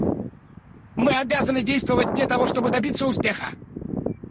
Мы обязаны действовать, для того чтобы добиться успеха.